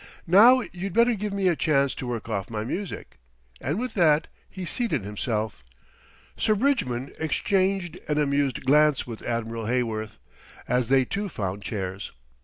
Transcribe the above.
"Now you'd better give me a chance to work off my music;" and with that he seated himself. Sir Bridgman exchanged an amused glance with Admiral Heyworth, as they too found chairs.